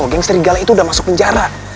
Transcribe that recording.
geng serigala itu udah masuk penjara